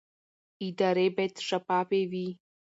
ادارې باید شفافې وي